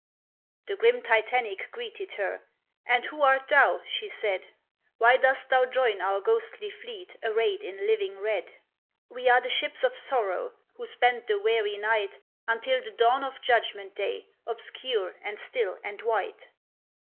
The grim Titanic greeted her "And who art thou?" she said; "Why dost thou join our ghostly fleet Arrayed in living red? We are the ships of sorrow Who spend the weary night, Until the dawn of Judgment Day, Obscure and still and white."